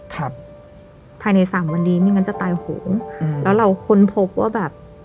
ครับภายในสามวันนี้ไม่งั้นจะตายโหงอืมแล้วเราค้นพบว่าแบบ